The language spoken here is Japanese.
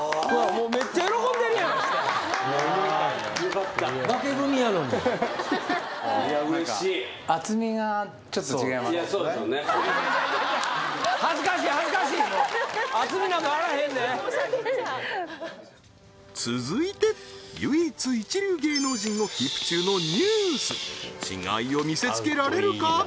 もうめっちゃ喜んでるやんいやうれしいいやいやいやいや厚みなんかあらへんで続いて唯一一流芸能人をキープ中のＮＥＷＳ違いを見せつけられるか？